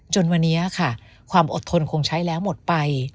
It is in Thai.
จนวันนี้ค่ะความอดทนคงใช้แล้วหมดไป